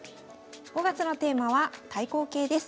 ５月のテーマは対抗形です。